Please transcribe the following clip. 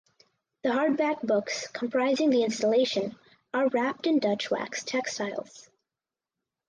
The hardback books comprising the installation are wrapped in Dutch wax textiles.